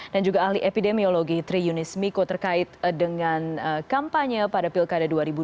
dan juga ahli epidemiologi tri yunis miko terkait dengan kampanye pada pilkada dua ribu dua puluh